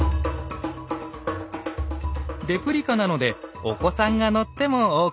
レプリカなのでお子さんが乗ってもＯＫ。